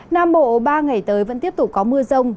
nam bộ ba ngày tới vẫn tiếp tục có mưa rông